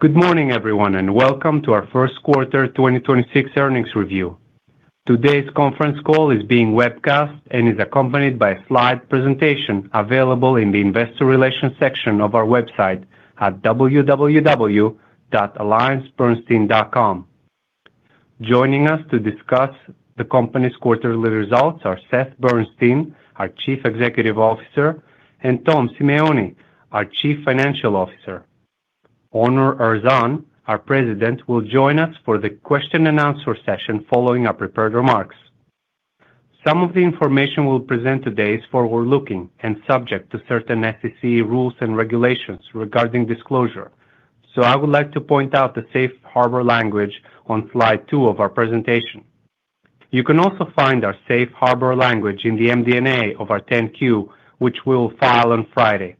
Good morning, everyone, welcome to our first quarter 2026 earnings review. Today's conference call is being webcast and is accompanied by a slide presentation available in the investor relations section of our website at alliancebernstein.com. Joining us to discuss the company's quarterly results are Seth Bernstein, our Chief Executive Officer, and Tom Simeone, our Chief Financial Officer. Onur Erzan, our President, will join us for the question-and-answer session following our prepared remarks. Some of the information we'll present today is forward-looking and subject to certain SEC rules and regulations regarding disclosure. I would like to point out the safe harbor language on slide two of our presentation. You can also find our safe harbor language in the MD&A of our 10-Q, which we'll file on Friday.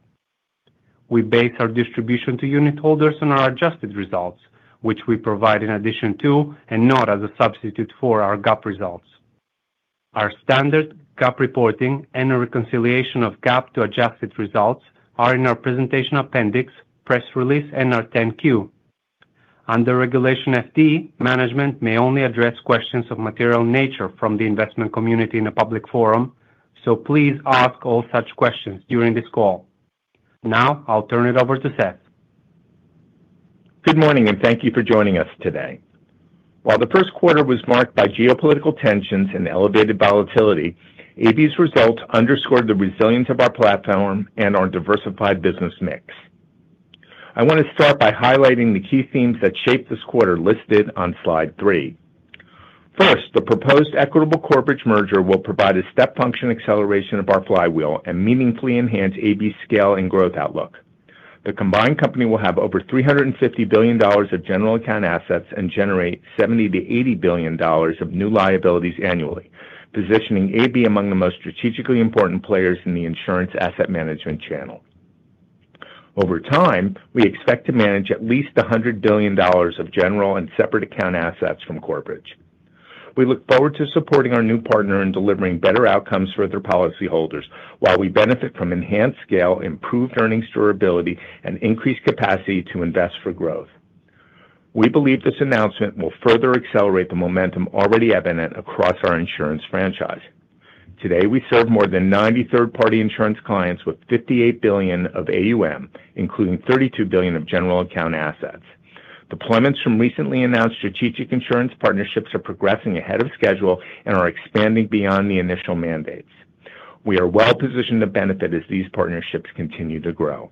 We base our distribution to unit holders on our adjusted results, which we provide in addition to, and not as a substitute for, our GAAP results. Our standard GAAP reporting and a reconciliation of GAAP to adjusted results are in our presentation appendix, press release, and our 10-Q. Under Regulation FD, management may only address questions of material nature from the investment community in a public forum, so please ask all such questions during this call. I'll turn it over to Seth. Good morning. Thank you for joining us today. While the first quarter was marked by geopolitical tensions and elevated volatility, AB's results underscored the resilience of our platform and our diversified business mix. I want to start by highlighting the key themes that shaped this quarter listed on slide three. First, the proposed Equitable, Corebridge merger will provide a step function acceleration of our flywheel and meaningfully enhance AB's scale and growth outlook. The combined company will have over $350 billion of general account assets and generate $70 billion-$80 billion of new liabilities annually, positioning AB among the most strategically important players in the insurance asset management channel. Over time, we expect to manage at least $100 billion of general and separate account assets from Corebridge. We look forward to supporting our new partner in delivering better outcomes for their policyholders while we benefit from enhanced scale, improved earnings durability, and increased capacity to invest for growth. We believe this announcement will further accelerate the momentum already evident across our insurance franchise. Today, we serve more than 90 third-party insurance clients with $58 billion of AUM, including $32 billion of general account assets. Deployments from recently announced strategic insurance partnerships are progressing ahead of schedule and are expanding beyond the initial mandates. We are well positioned to benefit as these partnerships continue to grow.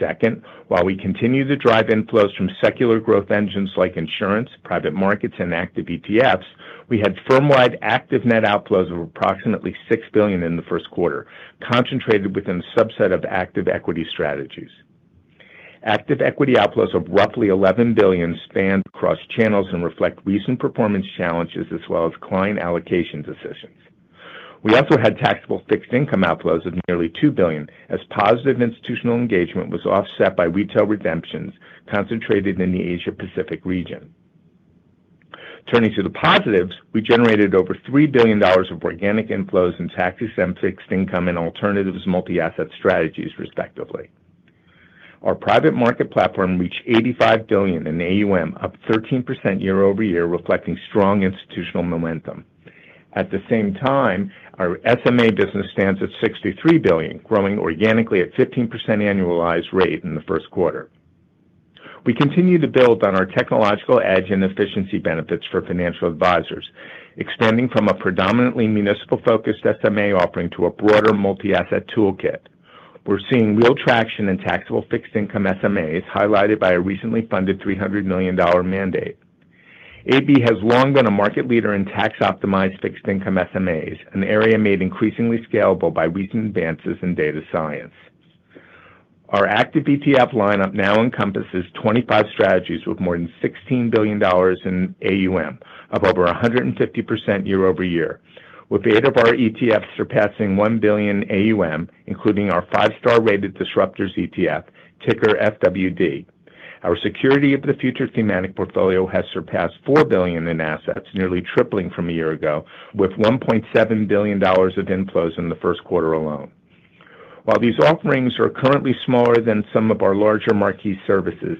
Second, while we continue to drive inflows from secular growth engines like insurance, private markets, and active ETFs, we had firm-wide active net outflows of approximately $6 billion in the first quarter, concentrated within a subset of active equity strategies. Active equity outflows of roughly $11 billion spanned across channels and reflect recent performance challenges as well as client allocation decisions. We also had taxable fixed income outflows of nearly $2 billion as positive institutional engagement was offset by retail redemptions concentrated in the Asia Pacific region. Turning to the positives, we generated over $3 billion of organic inflows in tax-exempt fixed income and alternatives multi-asset strategies, respectively. Our private market platform reached $85 billion in AUM, up 13% year-over-year, reflecting strong institutional momentum. At the same time, our SMA business stands at $63 billion, growing organically at 15% annualized rate in the first quarter. We continue to build on our technological edge and efficiency benefits for financial advisors, expanding from a predominantly municipal-focused SMA offering to a broader multi-asset toolkit. We're seeing real traction in taxable fixed income SMAs, highlighted by a recently funded $300 million mandate. AB has long been a market leader in tax-optimized fixed income SMAs, an area made increasingly scalable by recent advances in data science. Our active ETF lineup now encompasses 25 strategies with more than $16 billion in AUM, up over 150% year-over-year, with eight of our ETFs surpassing $1 billion AUM, including our five-star rated Disruptors ETF, ticker FWD. Our Security of the Future thematic portfolio has surpassed $4 billion in assets, nearly tripling from a year ago, with $1.7 billion of inflows in the first quarter alone. While these offerings are currently smaller than some of our larger marquee services,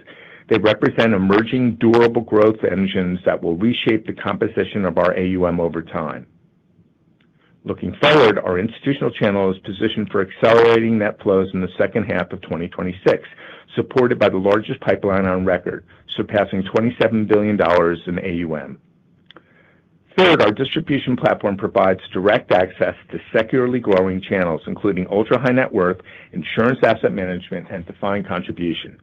they represent emerging durable growth engines that will reshape the composition of our AUM over time. Looking forward, our institutional channel is positioned for accelerating net flows in the second half of 2026, supported by the largest pipeline on record, surpassing $27 billion in AUM. Third, our distribution platform provides direct access to secularly growing channels, including ultra-high net worth, insurance asset management, and defined contribution.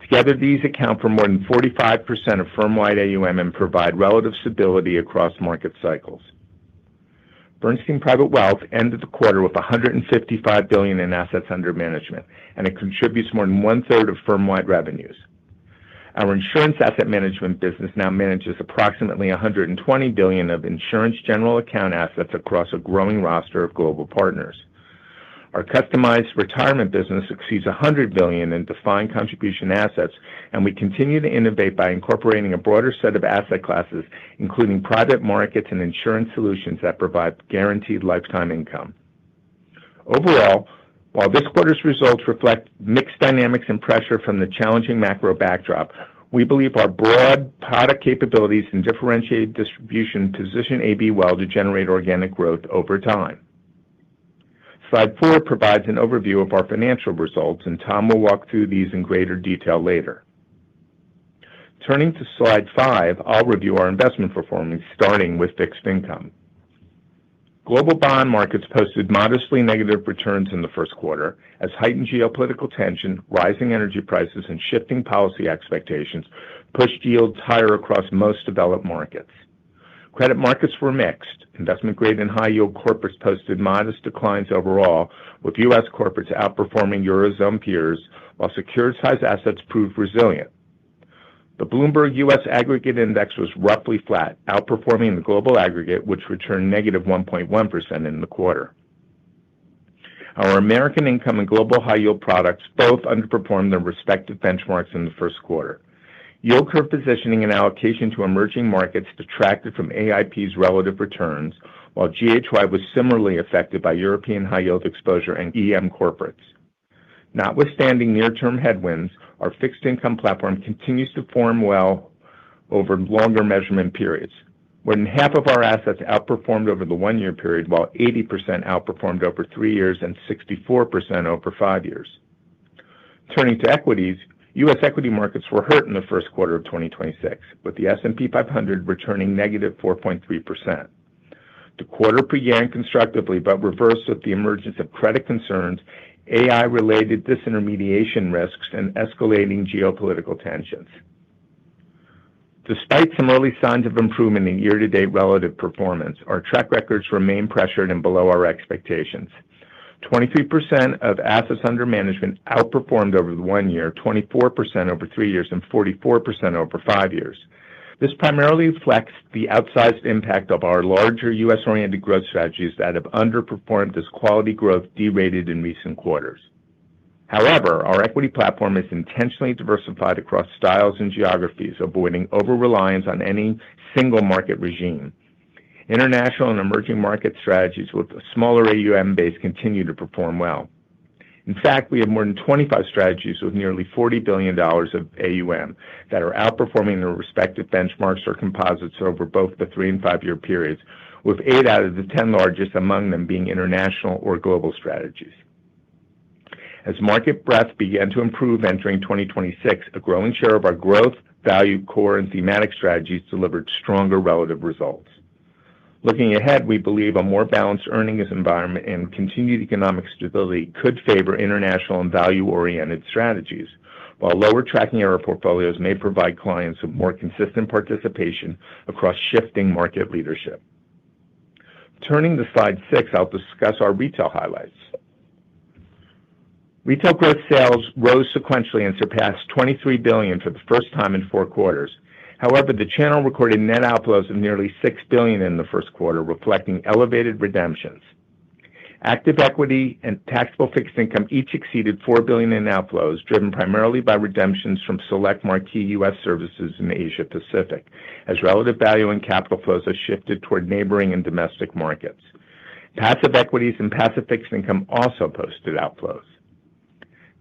Together, these account for more than 45% of firm-wide AUM and provide relative stability across market cycles. Bernstein Private Wealth ended the quarter with $155 billion in assets under management, and it contributes more than one-third of firm-wide revenues. Our insurance asset management business now manages approximately $120 billion of insurance general account assets across a growing roster of global partners. Our customized retirement business exceeds $100 billion in defined contribution assets, we continue to innovate by incorporating a broader set of asset classes, including private markets and insurance solutions that provide guaranteed lifetime income. Overall, while this quarter's results reflect mixed dynamics and pressure from the challenging macro backdrop, we believe our broad product capabilities and differentiated distribution position AB well to generate organic growth over time. Slide four provides an overview of our financial results, Tom will walk through these in greater detail later. Turning to Slide five, I'll review our investment performance, starting with fixed income. Global bond markets posted modestly negative returns in the first quarter as heightened geopolitical tension, rising energy prices, and shifting policy expectations pushed yields higher across most developed markets. Credit markets were mixed. Investment-grade and high-yield corporates posted modest declines overall, with U.S. corporates outperforming Eurozone peers, while securitized assets proved resilient. The Bloomberg U.S. Aggregate Bond Index was roughly flat, outperforming the global aggregate, which returned negative 1.1% in the quarter. Our American Income and Global High Yield products both underperformed their respective benchmarks in the first quarter. Yield curve positioning and allocation to emerging markets detracted from AIP's relative returns, while GHY was similarly affected by European high-yield exposure and EM corporates. Notwithstanding near-term headwinds, our fixed income platform continues to form well over longer measurement periods. More than half of our assets outperformed over the one year period, while 80% outperformed over three years and 64% over five years. Turning to equities, U.S. equity markets were hurt in the first quarter of 2026, with the S&P 500 returning negative 4.3%. The quarter began constructively but reversed with the emergence of credit concerns, AI-related disintermediation risks, and escalating geopolitical tensions. Despite some early signs of improvement in year-to-date relative performance, our track records remain pressured and below our expectations. 23% of assets under management outperformed over the one year, 24% over three years, and 44% over five years. This primarily reflects the outsized impact of our larger U.S.-oriented growth strategies that have underperformed as quality growth derated in recent quarters. However, our equity platform is intentionally diversified across styles and geographies, avoiding over-reliance on any single market regime. International and EM strategies with a smaller AUM base continue to perform well. In fact, we have more than 25 strategies with nearly $40 billion of AUM that are outperforming their respective benchmarks or composites over both the three and five year periods, with eight out of the 10 largest among them being international or global strategies. As market breadth began to improve entering 2026, a growing share of our growth, value, core, and thematic strategies delivered stronger relative results. Looking ahead, we believe a more balanced earnings environment and continued economic stability could favor international and value-oriented strategies, while lower tracking error portfolios may provide clients with more consistent participation across shifting market leadership. Turning to slide six, I'll discuss our retail highlights. Retail growth sales rose sequentially and surpassed $23 billion for the first time in four quarters. The channel recorded net outflows of nearly $6 billion in the first quarter, reflecting elevated redemptions. Active equity and taxable fixed income each exceeded $4 billion in outflows, driven primarily by redemptions from select marquee U.S. services in Asia-Pacific, as relative value and capital flows have shifted toward neighboring and domestic markets. Passive equities and passive fixed income also posted outflows.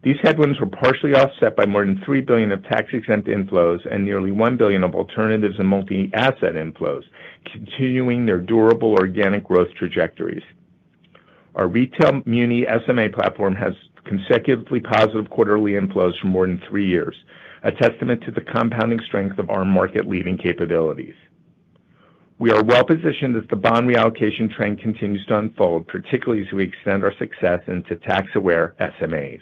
These headwinds were partially offset by more than $3 billion of tax-exempt inflows and nearly $1 billion of alternatives and multi-asset inflows, continuing their durable organic growth trajectories. Our retail muni SMA platform has consecutively positive quarterly inflows for more than three years, a testament to the compounding strength of our market-leading capabilities. We are well-positioned as the bond reallocation trend continues to unfold, particularly as we extend our success into tax-aware SMAs.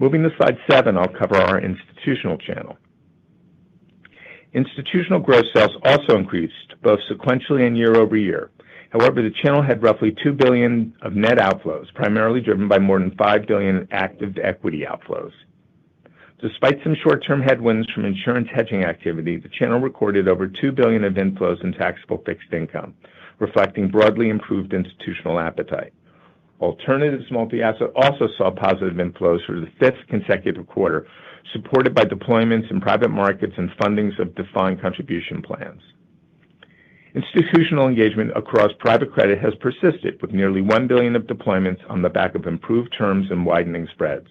Moving to slide seven, I will cover our institutional channel. Institutional gross sales also increased both sequentially and year-over-year. The channel had roughly $2 billion of net outflows, primarily driven by more than $5 billion active equity outflows. Despite some short-term headwinds from insurance hedging activity, the channel recorded over $2 billion of inflows in taxable fixed income, reflecting broadly improved institutional appetite. Alternatives multi-asset also saw positive inflows for the fifth consecutive quarter, supported by deployments in private markets and fundings of defined contribution plans. Institutional engagement across private credit has persisted, with nearly $1 billion of deployments on the back of improved terms and widening spreads.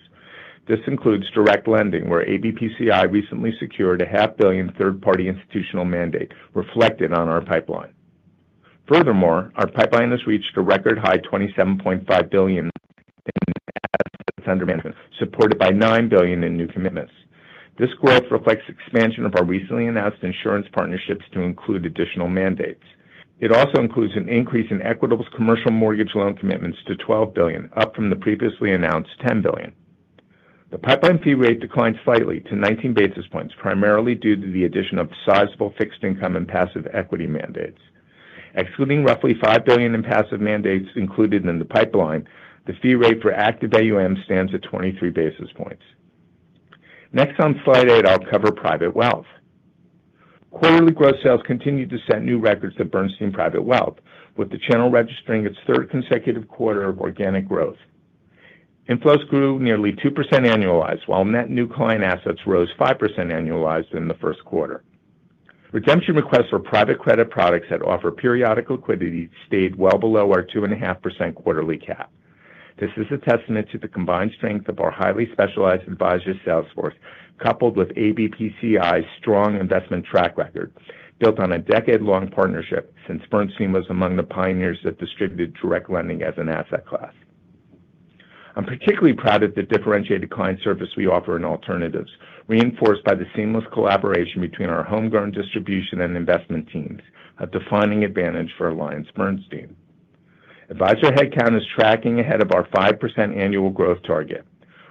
This includes direct lending, where ABPCI recently secured a $500 million third-party institutional mandate reflected on our pipeline. Our pipeline has reached a record high $27.5 billion in AUM, supported by $9 billion in new commitments. This growth reflects expansion of our recently announced insurance partnerships to include additional mandates. It also includes an increase in Equitable commercial mortgage loan commitments to $12 billion, up from the previously announced $10 billion. The pipeline fee rate declined slightly to 19 basis points, primarily due to the addition of sizable fixed income and passive equity mandates. Excluding roughly $5 billion in passive mandates included in the pipeline, the fee rate for active AUM stands at 23 basis points. Next on slide eight, I'll cover private wealth. Quarterly gross sales continued to set new records at Bernstein Private Wealth, with the channel registering its third consecutive quarter of organic growth. Inflows grew nearly 2% annualized, while net new client assets rose 5% annualized in the first quarter. Redemption requests for private credit products that offer periodic liquidity stayed well below our 2.5% quarterly cap. This is a testament to the combined strength of our highly specialized advisor sales force, coupled with ABPCI's strong investment track record, built on a decade-long partnership since Bernstein was among the pioneers that distributed direct lending as an asset class. I'm particularly proud of the differentiated client service we offer in alternatives, reinforced by the seamless collaboration between our homegrown distribution and investment teams, a defining advantage for AllianceBernstein. Advisor headcount is tracking ahead of our 5% annual growth target.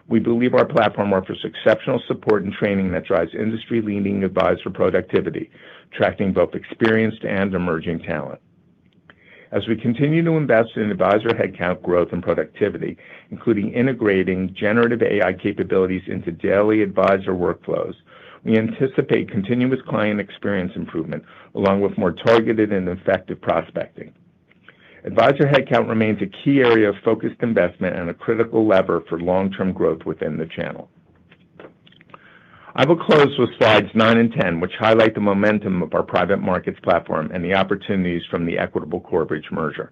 We believe our platform offers exceptional support and training that drives industry-leading advisor productivity, attracting both experienced and emerging talent. As we continue to invest in advisor headcount growth and productivity, including integrating generative AI capabilities into daily advisor workflows, we anticipate continuous client experience improvement, along with more targeted and effective prospecting. Advisor headcount remains a key area of focused investment and a critical lever for long-term growth within the channel. I will close with slides nine and 10, which highlight the momentum of our private markets platform and the opportunities from the Equitable Corebridge merger.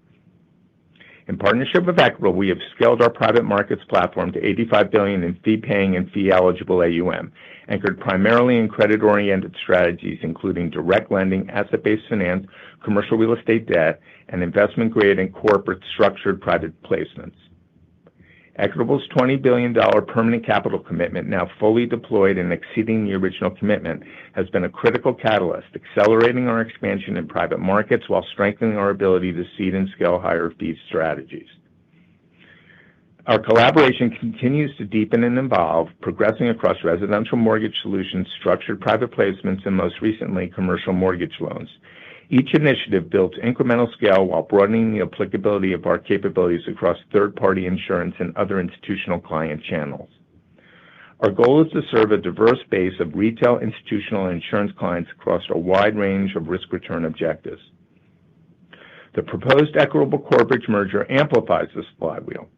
In partnership with Equitable, we have scaled our private markets platform to $85 billion in fee-paying and fee-eligible AUM, anchored primarily in credit-oriented strategies, including direct lending, asset-based finance, commercial real estate debt, and investment-grade and corporate structured private placements. Equitable's $20 billion permanent capital commitment, now fully deployed and exceeding the original commitment, has been a critical catalyst, accelerating our expansion in private markets while strengthening our ability to seed and scale higher fee strategies. Our collaboration continues to deepen and evolve, progressing across residential mortgage solutions, structured private placements, and most recently, commercial mortgage loans. Each initiative builds incremental scale while broadening the applicability of our capabilities across third-party insurance and other institutional client channels. Our goal is to serve a diverse base of retail, institutional, and insurance clients across a wide range of risk-return objectives. The proposed Equitable Corebridge merger amplifies this flywheel.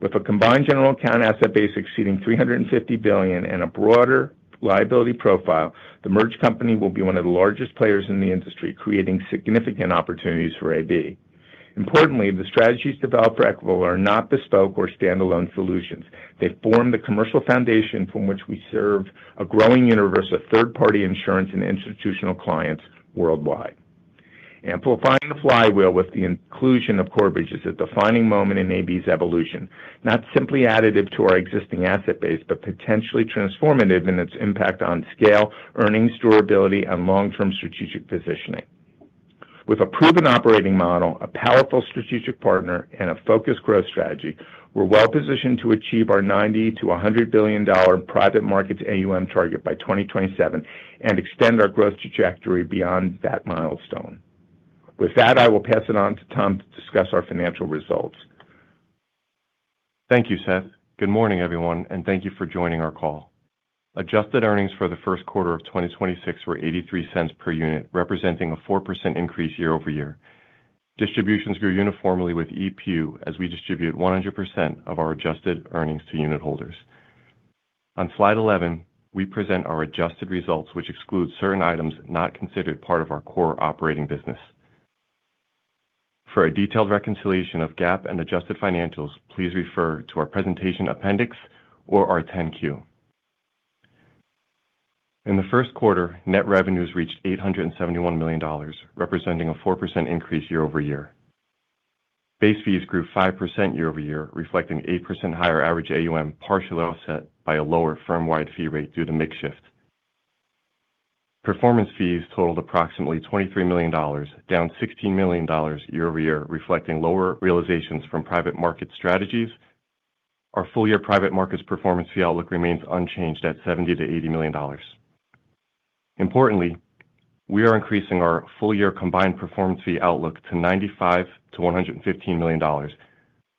With a combined general account asset base exceeding $350 billion and a broader liability profile, the merged company will be one of the largest players in the industry, creating significant opportunities for AB. Importantly, the strategies developed for Equitable are not bespoke or standalone solutions. They form the commercial foundation from which we serve a growing universe of third-party insurance and institutional clients worldwide. Amplifying the flywheel with the inclusion of Corebridge is a defining moment in AB's evolution, not simply additive to our existing asset base, but potentially transformative in its impact on scale, earnings durability, and long-term strategic positioning. With a proven operating model, a powerful strategic partner, and a focused growth strategy, we're well-positioned to achieve our $90 billion-$100 billion private markets AUM target by 2027 and extend our growth trajectory beyond that milestone. With that, I will pass it on to Tom to discuss our financial results. Thank you, Seth. Good morning, everyone. Thank you for joining our call. Adjusted earnings for the first quarter of 2026 were $0.83 per unit, representing a 4% increase year-over-year. Distributions grew uniformly with EPU as we distributed 100% of our adjusted earnings to unit holders. On slide 11, we present our adjusted results, which exclude certain items not considered part of our core operating business. For a detailed reconciliation of GAAP and adjusted financials, please refer to our presentation appendix or our 10-Q. In the first quarter, net revenues reached $871 million, representing a 4% increase year-over-year. Base fees grew 5% year-over-year, reflecting 8% higher average AUM, partially offset by a lower firm-wide fee rate due to mix shift. Performance fees totaled approximately $23 million, down $16 million year-over-year, reflecting lower realizations from private market strategies. Our full-year private markets performance fee outlook remains unchanged at $70 million-$80 million. Importantly, we are increasing our full-year combined performance fee outlook to $95 million-$115 million,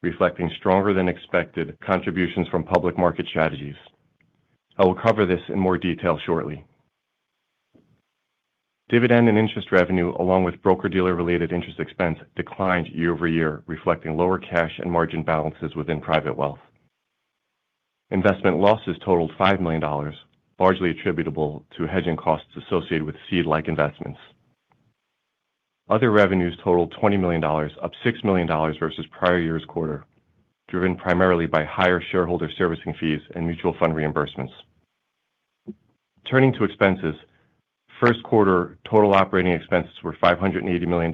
reflecting stronger than expected contributions from public market strategies. I will cover this in more detail shortly. Dividend and interest revenue, along with broker-dealer-related interest expense, declined year-over-year, reflecting lower cash and margin balances within private wealth. Investment losses totaled $5 million, largely attributable to hedging costs associated with seed-like investments. Other revenues totaled $20 million, up $6 million versus prior year's quarter, driven primarily by higher shareholder servicing fees and mutual fund reimbursements. Turning to expenses, first quarter total operating expenses were $580 million,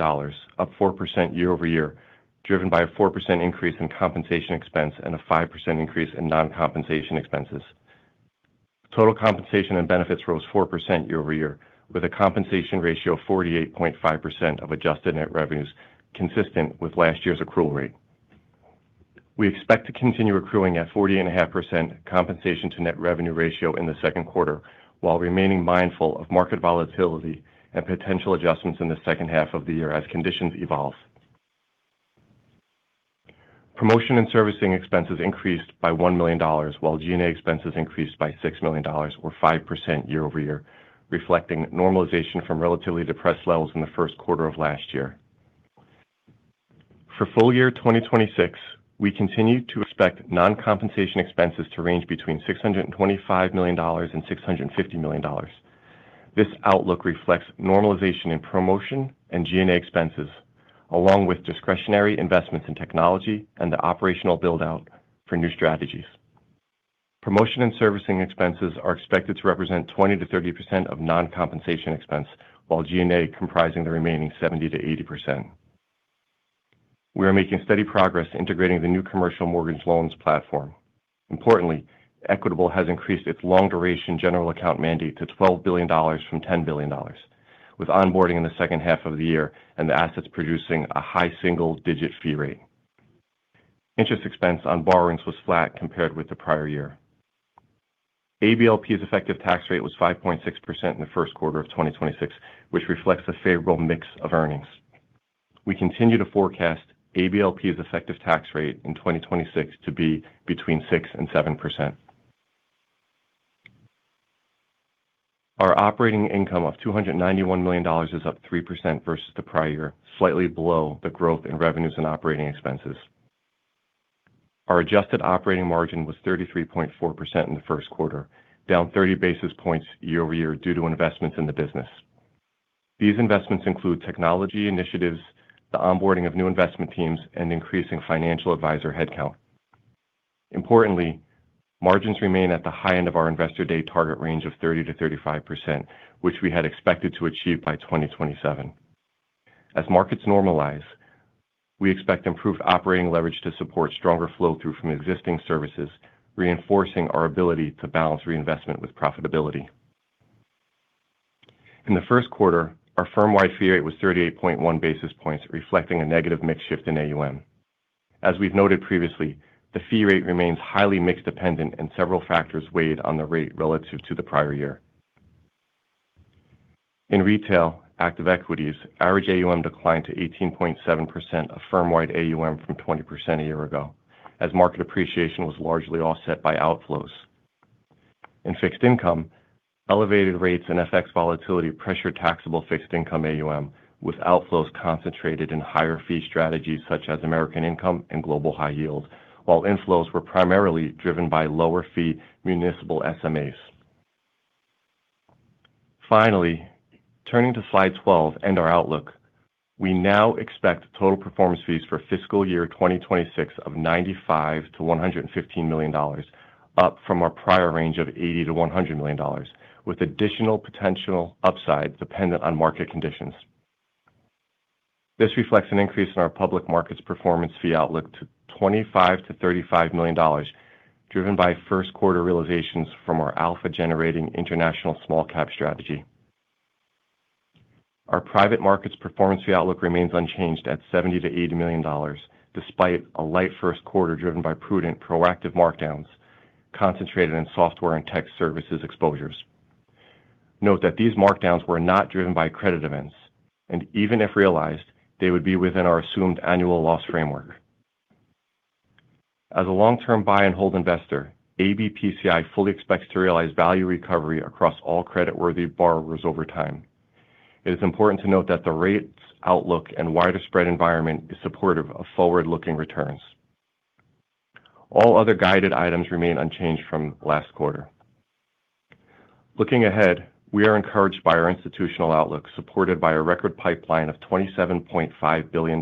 up 4% year-over-year, driven by a 4% increase in compensation expense and a 5% increase in non-compensation expenses. Total compensation and benefits rose 4% year-over-year, with a compensation ratio of 48.5% of adjusted net revenues, consistent with last year's accrual rate. We expect to continue accruing at 40.5% compensation to net revenue ratio in the second quarter, while remaining mindful of market volatility and potential adjustments in the second half of the year as conditions evolve. Promotion and servicing expenses increased by $1 million, while G&A expenses increased by $6 million, or 5% year-over-year, reflecting normalization from relatively depressed levels in the first quarter of last year. For full year 2026, we continue to expect non-compensation expenses to range between $625 million and $650 million. This outlook reflects normalization in promotion and G&A expenses, along with discretionary investments in technology and the operational build-out for new strategies. Promotion and servicing expenses are expected to represent 20%-30% of non-compensation expense, while G&A comprising the remaining 70%-80%. We are making steady progress integrating the new commercial mortgage loans platform. Importantly, Equitable has increased its long-duration general account mandate to $12 billion from $10 billion, with onboarding in the second half of the year and the assets producing a high single-digit fee rate. Interest expense on borrowings was flat compared with the prior year. ABLP's effective tax rate was 5.6% in the first quarter of 2026, which reflects the favorable mix of earnings. We continue to forecast ABLP's effective tax rate in 2026 to be between 6%-7%. Our operating income of $291 million is up 3% versus the prior year, slightly below the growth in revenues and operating expenses. Our adjusted operating margin was 33.4% in the first quarter, down 30 basis points year-over-year due to investments in the business. These investments include technology initiatives, the onboarding of new investment teams, and increasing financial advisor headcount. Importantly, margins remain at the high end of our investor day target range of 30%-35%, which we had expected to achieve by 2027. As markets normalize, we expect improved operating leverage to support stronger flow-through from existing services, reinforcing our ability to balance reinvestment with profitability. In the first quarter, our firm-wide fee rate was 38.1 basis points, reflecting a negative mix shift in AUM. As we've noted previously, the fee rate remains highly mix-dependent, and several factors weighed on the rate relative to the prior year. In retail, active equities, average AUM declined to 18.7% of firm-wide AUM from 20% a year ago, as market appreciation was largely offset by outflows. In fixed income, elevated rates and FX volatility pressured taxable fixed income AUM, with outflows concentrated in higher-fee strategies such as American Income and Global High Yield, while inflows were primarily driven by lower-fee municipal SMAs. Finally, turning to slide 12 and our outlook, we now expect total performance fees for fiscal year 2026 of $95 million-$115 million, up from our prior range of $80 million-$100 million, with additional potential upside dependent on market conditions. This reflects an increase in our public markets performance fee outlook to $25 million-$35 million, driven by first quarter realizations from our alpha-generating International SMID strategy. Our private markets performance fee outlook remains unchanged at $70 million-$80 million, despite a light first quarter driven by prudent proactive markdowns concentrated in software and tech services exposures. Note that these markdowns were not driven by credit events, and even if realized, they would be within our assumed annual loss framework. As a long-term buy-and-hold investor, AB-PCI fully expects to realize value recovery across all creditworthy borrowers over time. It is important to note that the rates outlook and widespread environment is supportive of forward-looking returns. All other guided items remain unchanged from last quarter. Looking ahead, we are encouraged by our institutional outlook, supported by a record pipeline of $27.5 billion,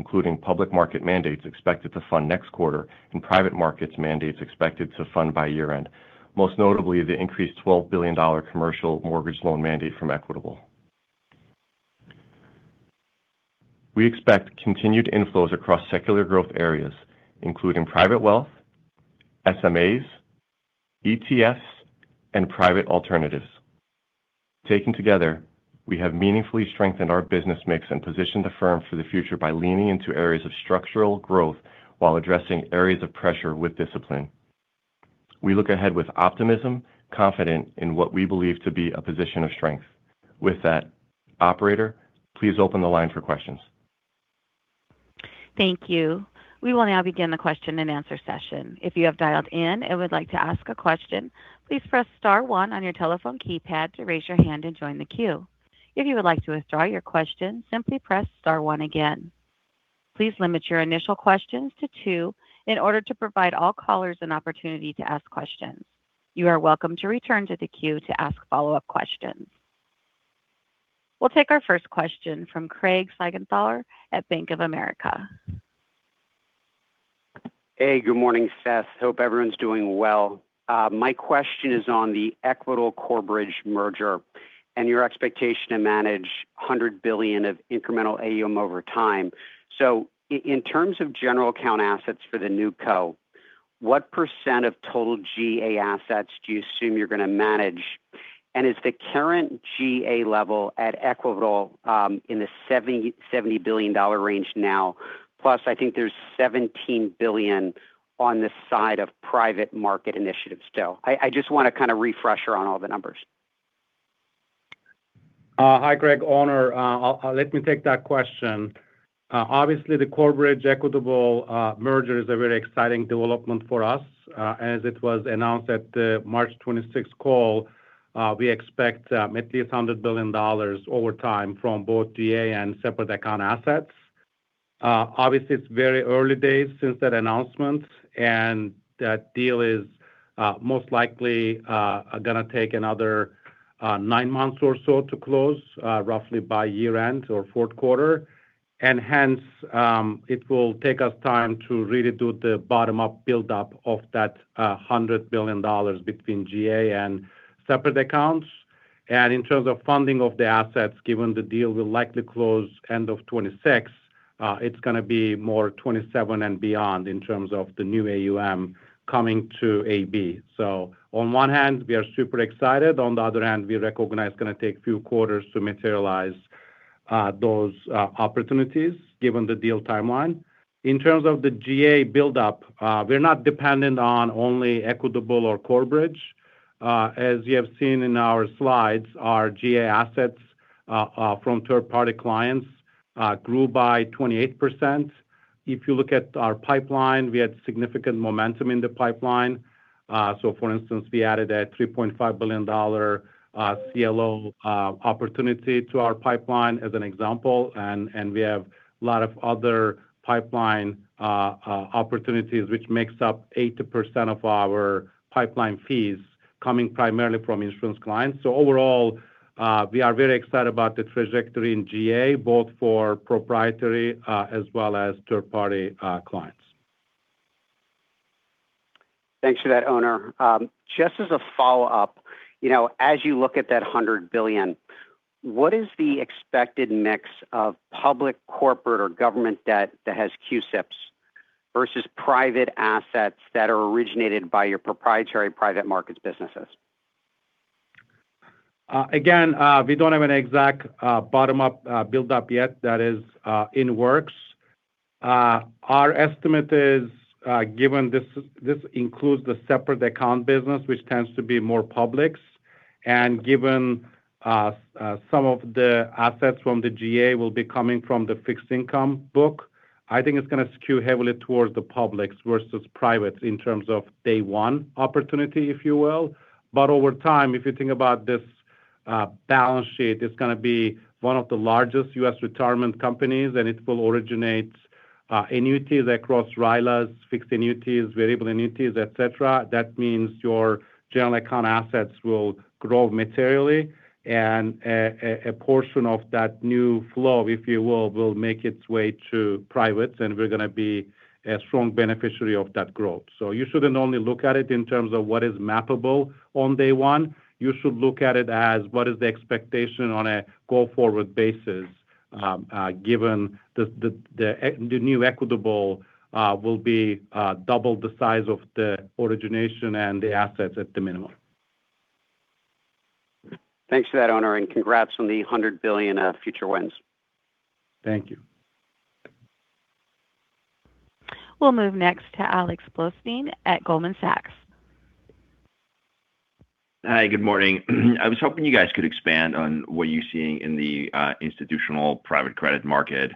including public market mandates expected to fund next quarter and private markets mandates expected to fund by year-end, most notably the increased $12 billion commercial mortgage loan mandate from Equitable. We expect continued inflows across secular growth areas, including private wealth, SMAs, ETFs, and private alternatives. Taken together, we have meaningfully strengthened our business mix and positioned the firm for the future by leaning into areas of structural growth while addressing areas of pressure with discipline. We look ahead with optimism, confident in what we believe to be a position of strength. With that, operator, please open the line for questions. Thank you. We will now begin the question-and-answer session. If you have dialed in and would like to ask a question, please press star one on your telephone keypad to raise your hand and join the queue. If you would like to withdraw your question, simply press star one again. Please limit your initial questions to two in order to provide all callers an opportunity to ask questions. You are welcome to return to the queue to ask follow-up questions. We'll take our first question from Craig Siegenthaler at Bank of America. Hey, good morning, Seth. Hope everyone's doing well. My question is on the Equitable Corebridge merger and your expectation to manage $100 billion of incremental AUM over time. In terms of general account assets for the new co, what percent of total GA assets do you assume you're gonna manage? Is the current GA level at Equitable in the $70 billion range now, plus I think there's $17 billion on the side of private market initiatives still. I just want a kind of refresher on all the numbers. Hi, Craig. Onur. Let me take that question. Obviously, the Corebridge, Equitable merger is a very exciting development for us, as it was announced at the March 26th call. We expect $100 billion over time from both GA and separate account assets. It's very early days since that announcement, and that deal is most likely gonna take another nine months or so to close, roughly by year-end or fourth quarter. Hence, it will take us time to really do the bottom-up build-up of that $100 billion between GA and separate accounts. In terms of funding of the assets, given the deal will likely close end of 2026, it's gonna be more 2027 and beyond in terms of the new AUM coming to AB. On one hand, we are super excited. On the other hand, we recognize it's gonna take a few quarters to materialize those opportunities given the deal timeline. In terms of the GA build-up, we're not dependent on only Equitable or Corebridge. As you have seen in our slides, our GA assets from third-party clients grew by 28%. If you look at our pipeline, we had significant momentum in the pipeline. For instance, we added a $3.5 billion CLO opportunity to our pipeline as an example, and we have a lot of other pipeline opportunities, which makes up 80% of our pipeline fees coming primarily from insurance clients. Overall, we are very excited about the trajectory in GA, both for proprietary, as well as third-party clients. Thanks for that, Onur. Just as a follow-up, you know, as you look at that $100 billion, what is the expected mix of public corporate or government debt that has CUSIPs versus private assets that are originated by your proprietary private markets businesses? Again, we don't have an exact bottom-up build-up yet that is in the works. Our estimate is, given this includes the separate account business, which tends to be more public. Given some of the assets from the GA will be coming from the fixed income book, I think it's gonna skew heavily towards the public versus private in terms of day one opportunity, if you will. Over time, if you think about this balance sheet, it's gonna be one of the largest U.S. retirement companies, and it will originate annuities across RILAs, fixed annuities, variable annuities, et cetera. That means your general account assets will grow materially. A portion of that new flow, if you will make its way to private, and we're gonna be a strong beneficiary of that growth. You shouldn't only look at it in terms of what is mappable on day one, you should look at it as what is the expectation on a go-forward basis, given the new Equitable will be double the size of the origination and the assets at the minimum. Thanks for that, Onur, and congrats on the $100 billion future wins. Thank you. We'll move next to Alex Blostein at Goldman Sachs. Hi, good morning. I was hoping you guys could expand on what you're seeing in the institutional private credit market.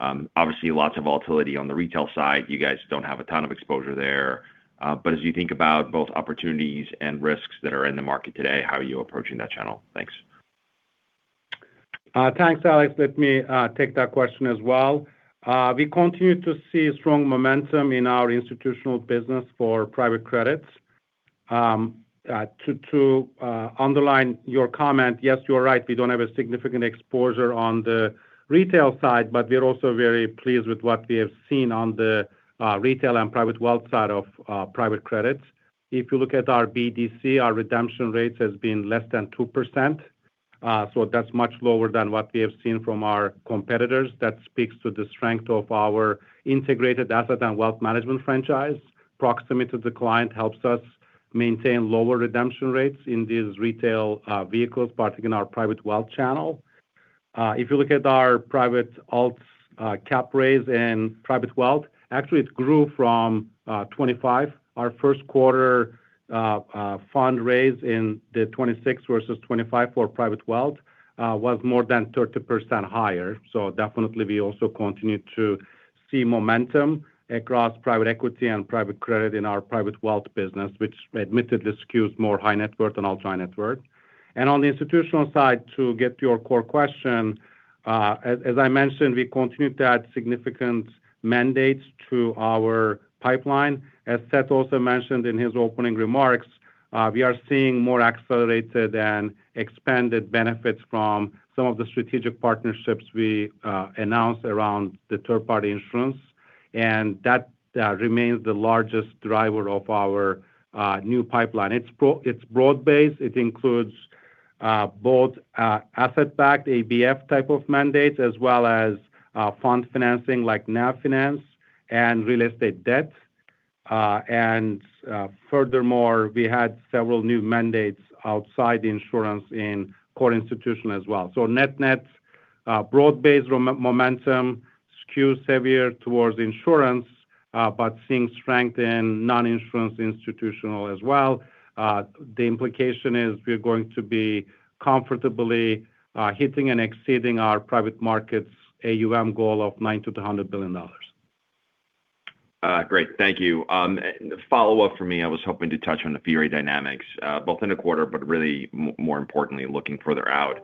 Obviously lots of volatility on the retail side. You guys don't have a ton of exposure there. As you think about both opportunities and risks that are in the market today, how are you approaching that channel? Thanks. Thanks, Alex. Let me take that question as well. We continue to see strong momentum in our institutional business for private credits. To underline your comment, yes, you are right. We don't have a significant exposure on the retail side, we're also very pleased with what we have seen on the retail and private wealth side of private credits. If you look at our BDC, our redemption rates has been less than 2%. That's much lower than what we have seen from our competitors. That speaks to the strength of our integrated asset and wealth management franchise. Proximity to the client helps us maintain lower redemption rates in these retail vehicles, particularly in our private wealth channel. If you look at our private alts cap raise and private wealth, actually it grew from 25. Our first quarter fund raise in 2026 versus 2025 for private wealth was more than 30% higher. Definitely we also continue to see momentum across private equity and private credit in our private wealth business, which admittedly skews more high net worth than ultra high net worth. On the institutional side, to get to your core question, as I mentioned, we continue to add significant mandates to our pipeline. As Seth also mentioned in his opening remarks, we are seeing more accelerated and expanded benefits from some of the strategic partnerships we announced around the third-party insurance, and that remains the largest driver of our new pipeline. It's broad based. It includes both asset-backed, ABF type of mandates, as well as fund financing like NAV finance and real estate debt. Furthermore, we had several new mandates outside the insurance in core institution as well. Net-net, broad-based momentum skews heavier towards insurance, but seeing strength in non-insurance institutional as well. The implication is we're going to be comfortably hitting and exceeding our private markets AUM goal of $90 billion-$100 billion. Great. Thank you. The follow-up for me, I was hoping to touch on the fee rate dynamics, both in the quarter but really more importantly looking further out.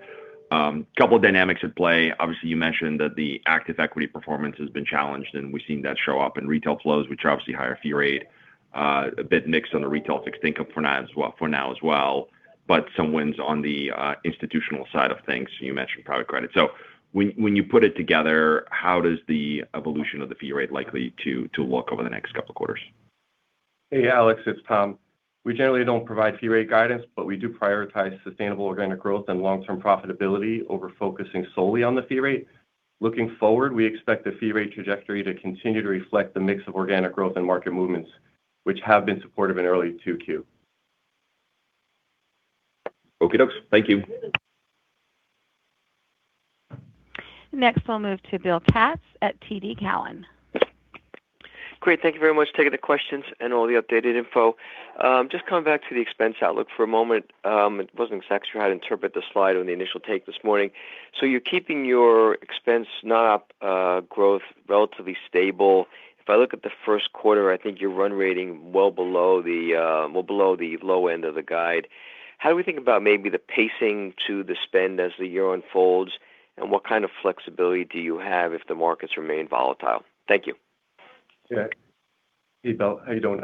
Couple dynamics at play. Obviously, you mentioned that the active equity performance has been challenged, and we've seen that show up in retail flows, which are obviously higher fee rate. A bit mixed on the retail fixed income for now as well. Some wins on the institutional side of things. You mentioned private credit. When you put it together, how does the evolution of the fee rate likely look over the next couple quarters? Hey, Alex, it's Tom. We generally don't provide fee rate guidance, but we do prioritize sustainable organic growth and long-term profitability over focusing solely on the fee rate. Looking forward, we expect the fee rate trajectory to continue to reflect the mix of organic growth and market movements, which have been supportive in early Q2. Okay. Thank you. Next, we'll move to Bill Katz at TD Cowen. Great. Thank you very much for taking the questions and all the updated info. Just coming back to the expense outlook for a moment. It wasn't exactly sure how to interpret the slide on the initial take this morning. You're keeping your expense non-op growth relatively stable. If I look at the first quarter, I think you're run rating well below the well below the low end of the guide. How do we think about maybe the pacing to the spend as the year unfolds, and what kind of flexibility do you have if the markets remain volatile? Thank you. Yeah. Hey, Bill. How you doing?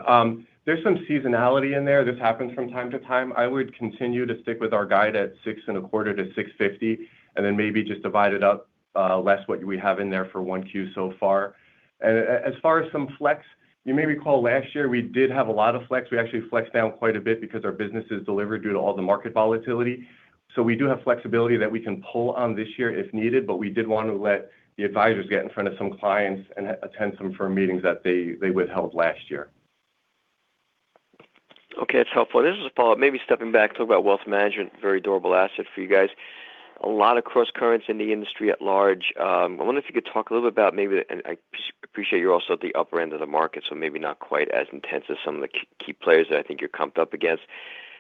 There's some seasonality in there. This happens from time to time. I would continue to stick with our guide at six and a quarter to 650. Maybe just divide it up less what we have in there for one Q so far. As far as some flex, you may recall last year we did have a lot of flex. We actually flexed down quite a bit because our business is delivered due to all the market volatility. We do have flexibility that we can pull on this year if needed, but we did want to let the advisors get in front of some clients and attend some firm meetings that they withheld last year. Okay, it's helpful. This is a follow-up. Stepping back, talk about wealth management, very durable asset for you guys. A lot of crosscurrents in the industry at large. I wonder if you could talk a little bit about maybe. I appreciate you're also at the upper end of the market, so maybe not quite as intense as some of the key players that I think you're comped up against.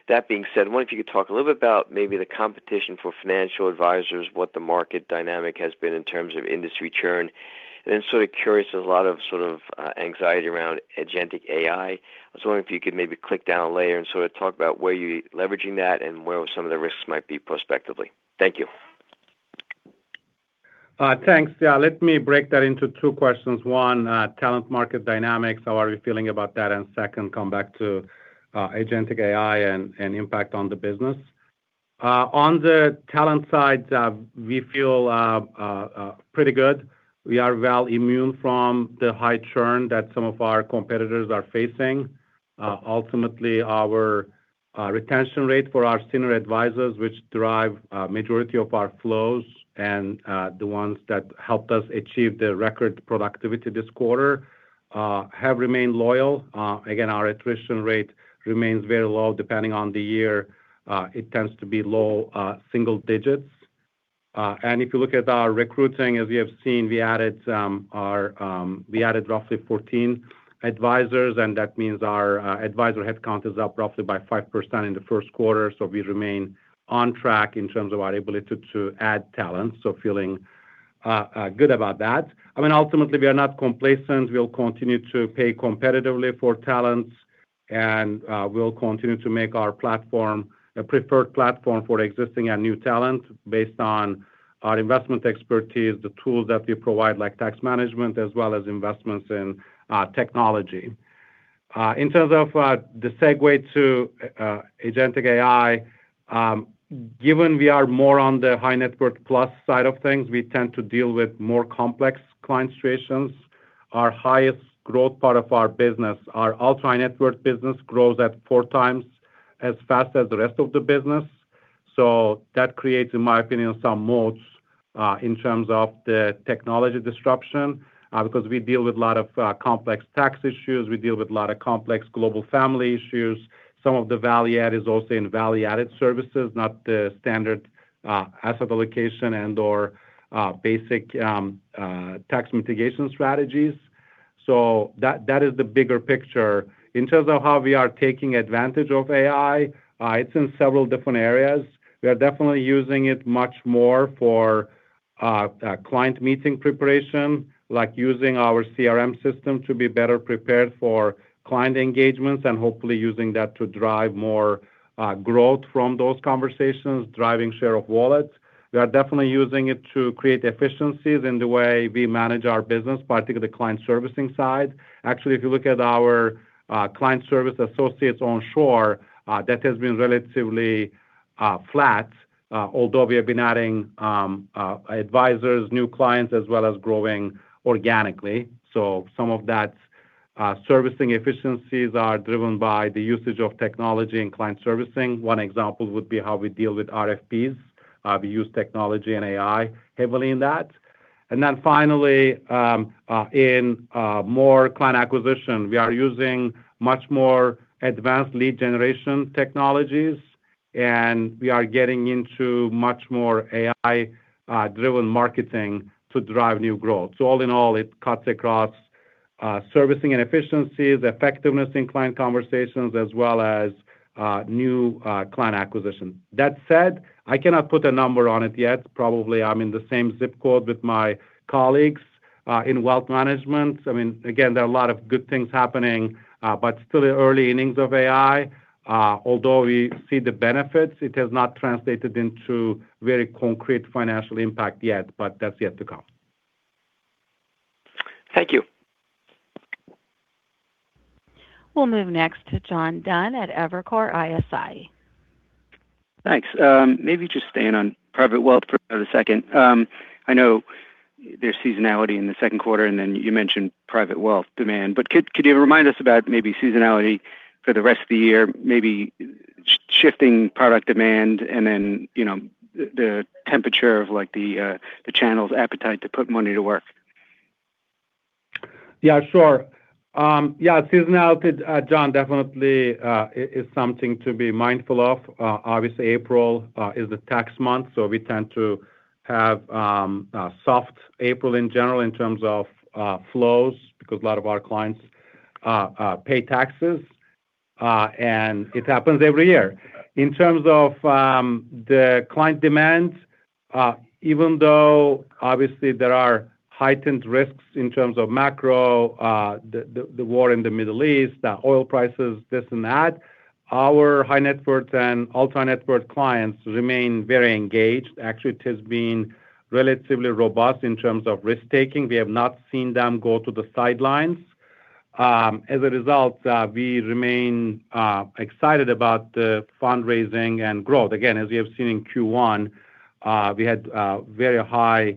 That being said, I wonder if you could talk a little bit about maybe the competition for financial advisors, what the market dynamic has been in terms of industry churn. Sort of curious, there's a lot of sort of anxiety around agentic AI. I was wondering if you could maybe click down a layer and sort of talk about where you're leveraging that and where some of the risks might be prospectively. Thank you. Thanks. Let me break that into two questions. One, talent market dynamics, how are we feeling about that? Second, come back to agentic AI and impact on the business. On the talent side, we feel pretty good. We are well immune from the high churn that some of our competitors are facing. Ultimately, our retention rate for our senior advisors, which drive a majority of our flows and the ones that helped us achieve the record productivity this quarter, have remained loyal. Again, our attrition rate remains very low. Depending on the year, it tends to be low single digits. If you look at our recruiting, as you have seen, we added some, our, we added roughly 14 advisors, and that means our advisor head count is up roughly by 5% in the first quarter. We remain on track in terms of our ability to add talent. Feeling good about that. I mean, ultimately, we are not complacent. We'll continue to pay competitively for talents, and we'll continue to make our platform a preferred platform for existing and new talent based on our investment expertise, the tools that we provide, like tax management, as well as investments in technology. In terms of the segue to agentic AI, given we are more on the high net worth plus side of things, we tend to deal with more complex client situations. Our highest growth part of our business, our ultra net worth business grows at four times as fast as the rest of the business. That creates, in my opinion, some moats in terms of the technology disruption because we deal with a lot of complex tax issues. We deal with a lot of complex global family issues. Some of the value add is also in value-added services, not the standard asset allocation and/or basic tax mitigation strategies. That is the bigger picture. In terms of how we are taking advantage of AI, it's in several different areas. We are definitely using it much more for client meeting preparation, like using our CRM system to be better prepared for client engagements and hopefully using that to drive more growth from those conversations, driving share of wallets. We are definitely using it to create efficiencies in the way we manage our business, particularly the client servicing side. Actually, if you look at our client service associates onshore, that has been relatively flat, although we have been adding advisors, new clients, as well as growing organically. Some of that servicing efficiencies are driven by the usage of technology and client servicing. One example would be how we deal with RFPs. We use technology and AI heavily in that. Finally, in more client acquisition, we are using much more advanced lead generation technologies, and we are getting into much more AI driven marketing to drive new growth. All in all, it cuts across servicing and efficiencies, effectiveness in client conversations, as well as new client acquisition. That said, I cannot put a number on it yet. Probably I'm in the same zip code with my colleagues in wealth management. I mean, again, there are a lot of good things happening, but still the early innings of AI. Although we see the benefits, it has not translated into very concrete financial impact yet, but that's yet to come. Thank you. We'll move next to John Dunn at Evercore ISI. Thanks. Maybe just staying on private wealth for a second. I know there's seasonality in the second quarter, and then you mentioned private wealth demand. Could you remind us about maybe seasonality for the rest of the year, maybe shifting product demand and then, you know, the temperature of like the channel's appetite to put money to work? Yeah, sure. Yeah, seasonality, John, definitely is something to be mindful of. Obviously April is a tax month, so we tend to have a soft April in general in terms of flows because a lot of our clients pay taxes, it happens every year. In terms of the client demand, even though obviously there are heightened risks in terms of macro, the war in the Middle East, the oil prices, this and that, our high net worth and ultra net worth clients remain very engaged. Actually, it has been relatively robust in terms of risk-taking. We have not seen them go to the sidelines. As a result, we remain excited about the fundraising and growth. Again, as we have seen in Q1, we had very high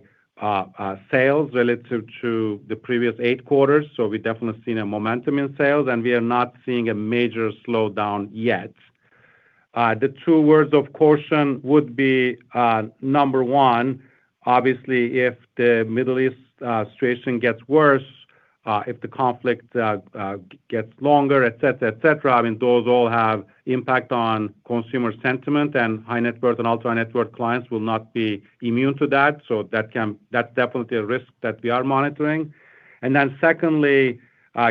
sales relative to the previous eight quarters, so we've definitely seen a momentum in sales, and we are not seeing a major slowdown yet. The two words of caution would be, number one, obviously, if the Middle East situation gets worse, if the conflict gets longer, et cetera, et cetera, I mean, those all have impact on consumer sentiment and high net worth and ultra net worth clients will not be immune to that. So that's definitely a risk that we are monitoring. Secondly,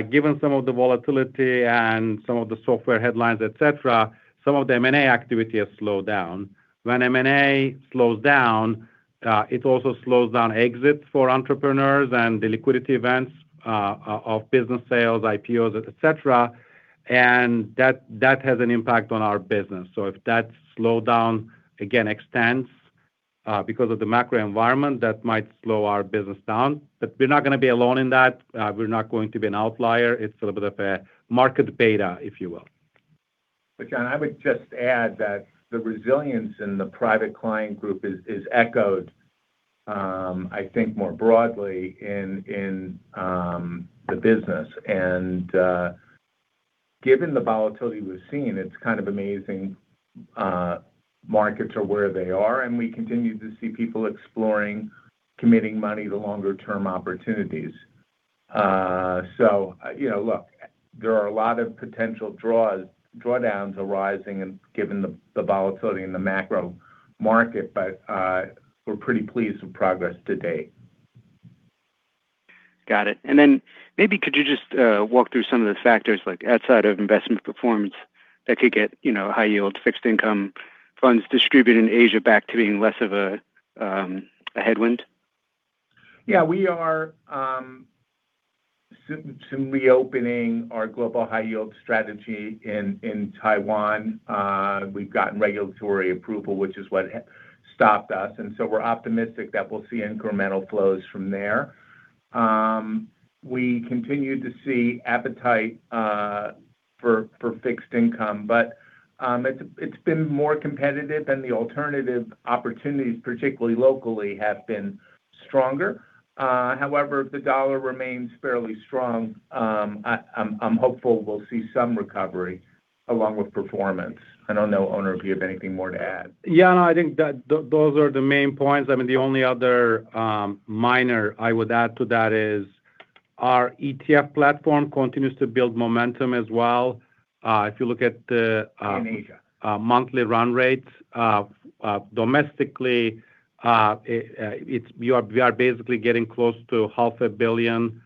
given some of the volatility and some of the software headlines, et cetera, some of the M&A activity has slowed down. When M&A slows down, it also slows down exits for entrepreneurs and the liquidity events of business sales, IPOs, et cetera. That has an impact on our business. If that slowdown again extends, because of the macro environment, that might slow our business down. We're not gonna be alone in that. We're not going to be an outlier. It's a little bit of a market beta, if you will. John, I would just add that the resilience in the private client group is echoed, I think more broadly in the business. Given the volatility we've seen, it's kind of amazing, markets are where they are, and we continue to see people exploring committing money to longer term opportunities. You know, look, there are a lot of potential drawdowns arising and given the volatility in the macro market, we're pretty pleased with progress to date. Got it. Maybe could you just walk through some of the factors like outside of investment performance that could get, you know, high yield fixed income funds distributed in Asia back to being less of a headwind? We are reopening our Global High Yield strategy in Taiwan. We've gotten regulatory approval, which is what stopped us. We're optimistic that we'll see incremental flows from there. We continue to see appetite for fixed income, it's been more competitive and the alternative opportunities, particularly locally, have been stronger. However, the dollar remains fairly strong. I'm hopeful we'll see some recovery along with performance. I don't know, Onur, if you have anything more to add. Yeah, no, I think that those are the main points. I mean, the only other minor I would add to that is our ETF platform continues to build momentum as well. In Asia. Monthly run rates, domestically, we are basically getting close to half a billion dollars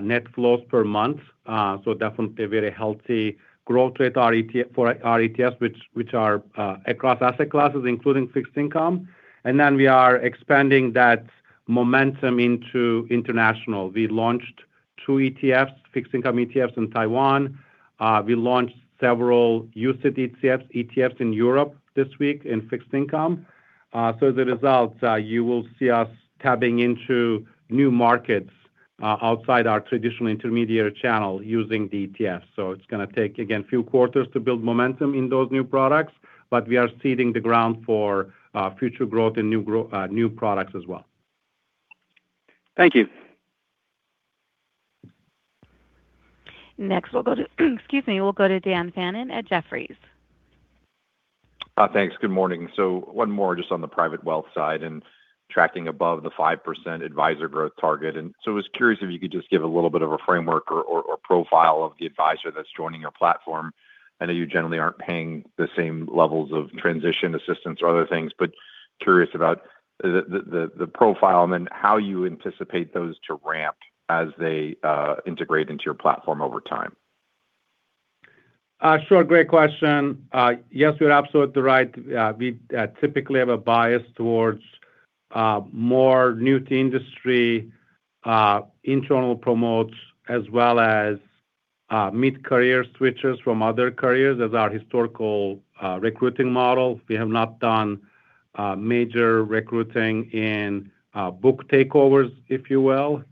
net flows per month. Definitely a very healthy growth rate for our ETFs, which are across asset classes, including fixed income. We are expanding that momentum into international. We launched two ETFs, fixed income ETFs in Taiwan. We launched several UCITS ETFs in Europe this week in fixed income. As a result, you will see us tapping into new markets outside our traditional intermediary channel using the ETFs. It's gonna take, again, few quarters to build momentum in those new products, but we are seeding the ground for future growth and new products as well. Thank you. Next, we'll go to, excuse me. We'll go to Dan Fannon at Jefferies. Thanks. Good morning. One more just on the private wealth side and tracking above the 5% advisor growth target. I was curious if you could just give a little bit of a framework or profile of the advisor that's joining your platform. I know you generally aren't paying the same levels of transition assistance or other things. Curious about the profile and then how you anticipate those to ramp as they integrate into your platform over time. Sure. Great question. Yes, you're absolutely right. We typically have a bias towards more new to industry, internal promotes, as well as mid-career switchers from other careers as our historical recruiting model. We have not done major recruiting in book takeovers, if you will.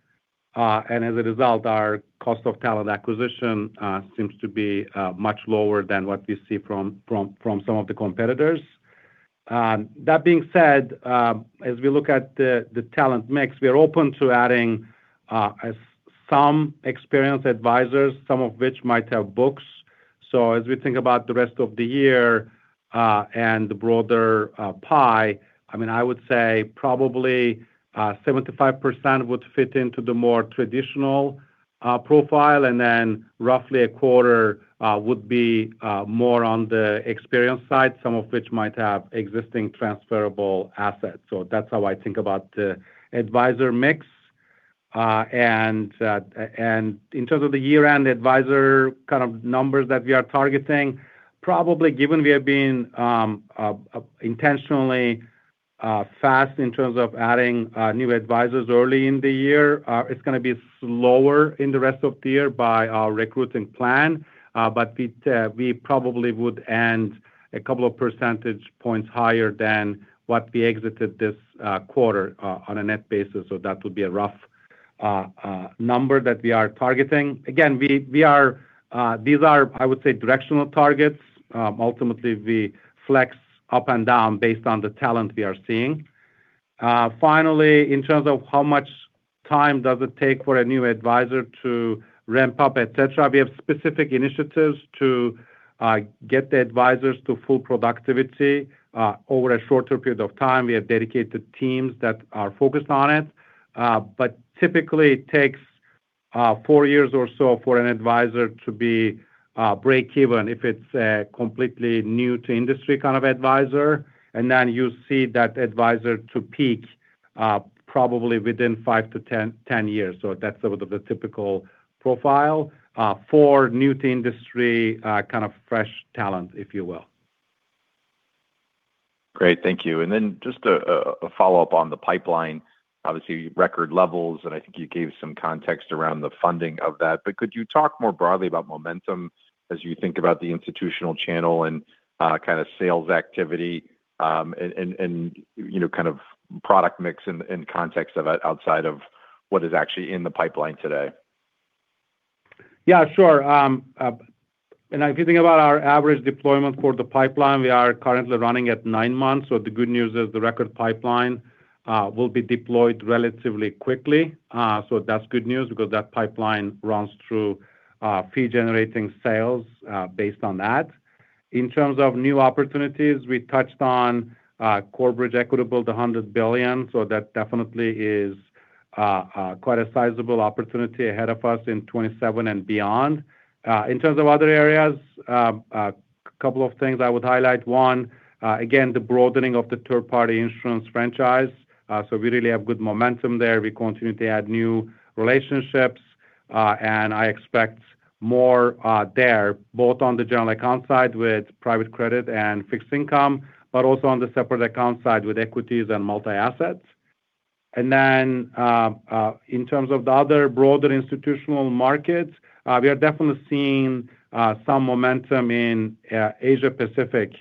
As a result, our cost of talent acquisition seems to be much lower than what we see from some of the competitors. That being said, as we look at the talent mix, we are open to adding some experienced advisors, some of which might have books. As we think about the rest of the year, and the broader pie, I mean, I would say probably 75% would fit into the more traditional profile, and then roughly 25% would be more on the experience side, some of which might have existing transferable assets. That's how I think about the advisor mix. And in terms of the year-end advisor kind of numbers that we are targeting, probably given we have been intentionally fast in terms of adding new advisors early in the year, it's gonna be slower in the rest of the year by our recruiting plan. But we probably would end a couple percentage points higher than what we exited this quarter on a net basis. That would be a rough number that we are targeting. Again, these are, I would say, directional targets. Ultimately, we flex up and down based on the talent we are seeing. Finally, in terms of how much time does it take for a new advisor to ramp up, et cetera, we have specific initiatives to get the advisors to full productivity over a shorter period of time. We have dedicated teams that are focused on it. But typically, it takes four years or so for an advisor to be breakeven if it's a completely new to industry kind of advisor. Then you see that advisor to peak probably within five to 10 years. That's the typical profile for new to industry kind of fresh talent, if you will. Great. Thank you. Then just a follow-up on the pipeline, obviously, record levels, and I think you gave some context around the funding of that. Could you talk more broadly about momentum as you think about the institutional channel and kind of sales activity, and, you know, kind of product mix in context of outside of what is actually in the pipeline today? Yeah, sure. If you think about our average deployment for the pipeline, we are currently running at nine months. The good news is the record pipeline will be deployed relatively quickly. That's good news because that pipeline runs through fee-generating sales based on that. In terms of new opportunities, we touched on Corebridge, Equitable $200 billion, that definitely is quite a sizable opportunity ahead of us in 2027 and beyond. In terms of other areas, a couple of things I would highlight. One, again, the broadening of the third-party insurance franchise. We really have good momentum there. We continue to add new relationships, and I expect more there, both on the general account side with private credit and fixed income, but also on the separate account side with equities and multi-assets. Then, in terms of the other broader institutional markets, we are definitely seeing some momentum in Asia Pacific.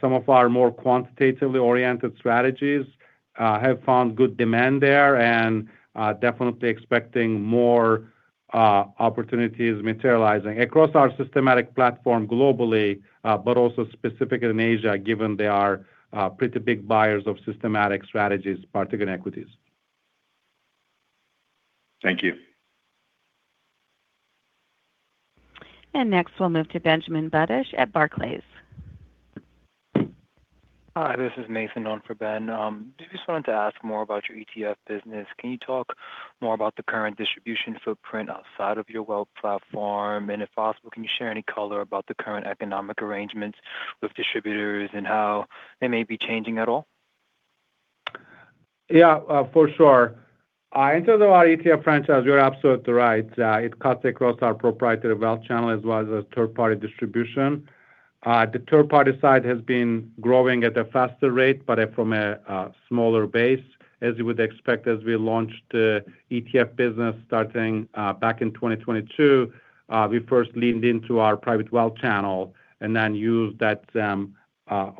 Some of our more quantitatively oriented strategies have found good demand there and definitely expecting more opportunities materializing across our systematic platform globally, but also specifically in Asia, given they are pretty big buyers of systematic strategies, particularly in equities. Thank you. Next, we'll move to Benjamin Budish at Barclays. Hi, this is Mason on for Benjamin. Just wanted to ask more about your ETF business. Can you talk more about the current distribution footprint outside of your wealth platform? If possible, can you share any color about the current economic arrangements with distributors and how they may be changing at all? Yeah, for sure. In terms of our ETF franchise, you're absolutely right. It cuts across our proprietary wealth channel as well as third-party distribution. The third-party side has been growing at a faster rate, from a smaller base. As you would expect, as we launched the ETF business starting back in 2022, we first leaned into our private wealth channel and then used that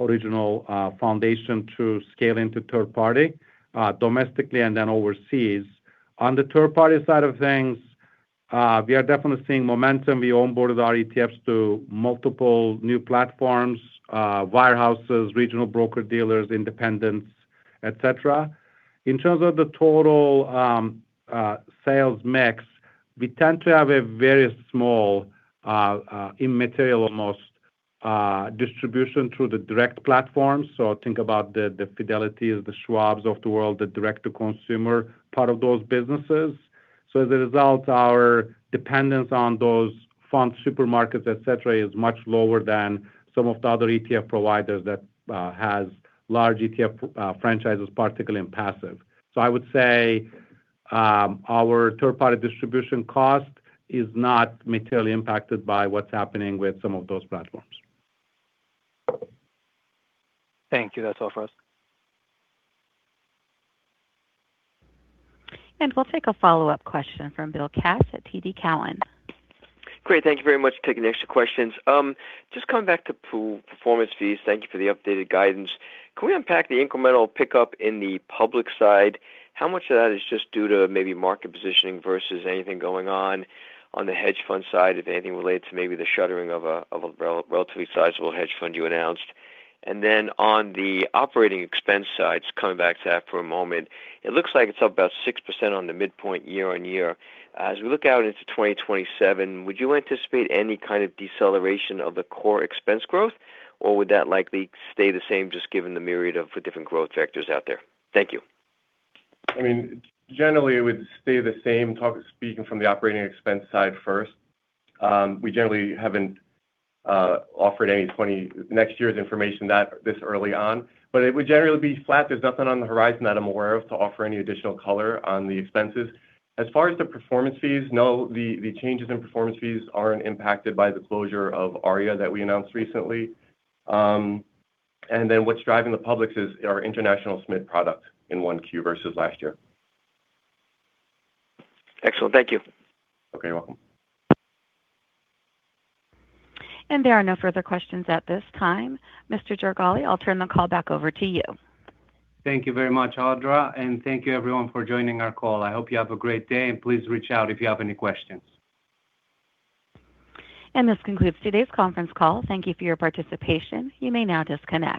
original foundation to scale into third party domestically and then overseas. On the third-party side of things, we are definitely seeing momentum. We onboarded our ETFs to multiple new platforms, wirehouses, regional broker-dealers, independents, et cetera. In terms of the total sales mix, we tend to have a very small, immaterial almost, distribution through the direct platforms. Think about the Fidelity, the Schwab of the world, the direct-to-consumer part of those businesses. As a result, our dependence on those fund supermarkets, et cetera, is much lower than some of the other ETF providers that has large ETF franchises, particularly in passive. I would say, our third-party distribution cost is not materially impacted by what's happening with some of those platforms. Thank you. That's all for us. We'll take a follow-up question from Bill Katz at TD Cowen. Great. Thank you very much for taking the extra questions. Just coming back to performance fees. Thank you for the updated guidance. Can we unpack the incremental pickup in the public side? How much of that is just due to maybe market positioning versus anything going on on the hedge fund side, if anything related to maybe the shuttering of a relatively sizable hedge fund you announced? On the operating expense side, just coming back to that for a moment, it looks like it's up about 6% on the midpoint year-on-year. As we look out into 2027, would you anticipate any kind of deceleration of the core expense growth, or would that likely stay the same just given the myriad of different growth factors out there? Thank you. I mean, generally it would stay the same. Talk, speaking from the operating expense side first, we generally haven't offered any next year's information that this early on, but it would generally be flat. There's nothing on the horizon that I'm aware of to offer any additional color on the expenses. As far as the performance fees, no, the changes in performance fees aren't impacted by the closure of Arya that we announced recently. What's driving the publics is our International SMID product in 1Q versus last year. Excellent. Thank you. Okay, you're welcome. There are no further questions at this time. Mr. Jorgali, I'll turn the call back over to you. Thank you very much, Audra, and thank you everyone for joining our call. I hope you have a great day, and please reach out if you have any questions. This concludes today's conference call. Thank you for your participation. You may now disconnect.